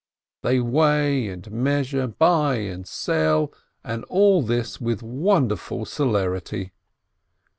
They weigh and meas ure, buy and sell, and all this with wonderful celerity.